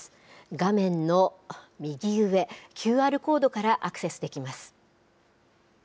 画面の右上、ＱＲコードからアクセスできます。